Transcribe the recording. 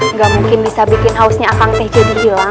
nggak mungkin bisa bikin hausnya hakang teh jadi hilang